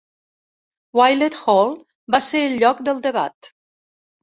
Willett Hall va ser el lloc del debat.